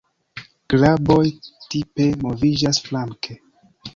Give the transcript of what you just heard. Kraboj tipe moviĝas flanke.